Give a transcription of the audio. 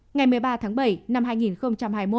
ngày một mươi ba tháng bảy năm hai nghìn hai mươi một